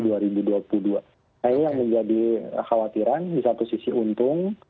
nah ini yang menjadi khawatiran di satu sisi untung